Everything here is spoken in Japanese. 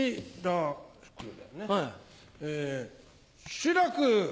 志らく！